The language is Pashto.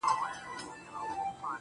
اور يې وي په سترگو کي لمبې کوې.